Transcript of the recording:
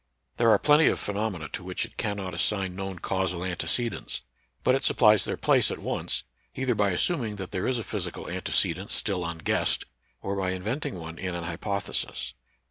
There are plenty of phenomena to which it cannot assign known causal antecedents; but it supplies their place at once, either by assuming that there is a phys ical antecedent still unguessed, or by inventing one in an hypothesis.